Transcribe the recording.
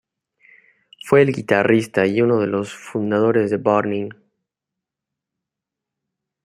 Fue el guitarrista y uno de los fundadores de Burning.